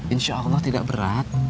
insya allah tidak berat